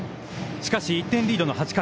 しかし、１点リードの８回。